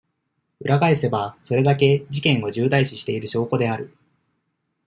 裏返せば、それだけ、事件を重大視している証拠である。